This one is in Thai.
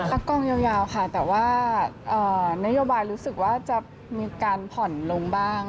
กองยาวค่ะแต่ว่านโยบายรู้สึกว่าจะมีการผ่อนลงบ้าง